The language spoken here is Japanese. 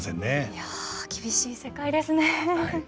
いや厳しい世界ですね。